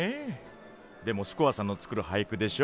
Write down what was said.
でもスコアさんの作るはいくでしょ？